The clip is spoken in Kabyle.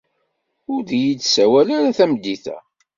Ur d iyi-d-sawal ara tameddit-a.